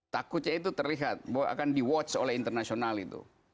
takutnya itu terlihat bahwa akan di watch oleh internasional itu